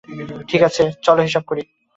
ঠিক আছে, চলো হিসেব করি।